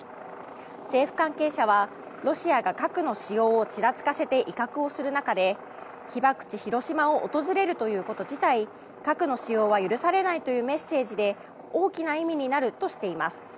政府関係者は、ロシアが核の使用をちらつかせて威嚇をする中で被爆地・広島を訪れるということ自体核の使用は許されないというメッセージで大きな意味になるとしています。